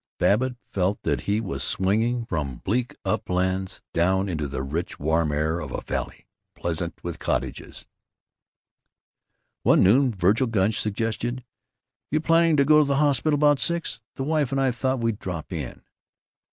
Babbitt felt that he was swinging from bleak uplands down into the rich warm air of a valley pleasant with cottages. One noon Vergil Gunch suggested, "You planning to be at the hospital about six? The wife and I thought we'd drop in."